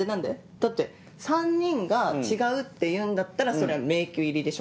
だって３人が違うっていうんだったらそれは迷宮入りでしょ。